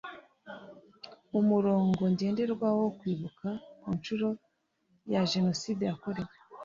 Umurongo ngenderwaho wo Kwibuka ku nshuro ya Jenoside yakorewe